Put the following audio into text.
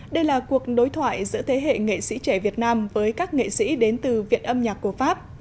đây là cuộc đối thoại giữa thế hệ nghệ sĩ trẻ việt nam với các nghệ sĩ đến từ viện âm nhạc của pháp